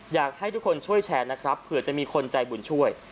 อยากให้ทุกคนช่วยแชร์นะครับเผื่อจะมีคนใจบุญช่วย